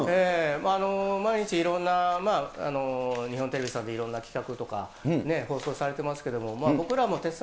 毎日、いろんな日本テレビさんのいろんな企画とか放送されてますけれども、僕らも鉄腕！